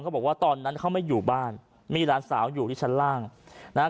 บอกว่าตอนนั้นเขาไม่อยู่บ้านมีหลานสาวอยู่ที่ชั้นล่างนะฮะ